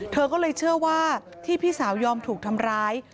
เธอก็เลยเชื่อว่าที่พี่สาวยอมถูกทำร้าย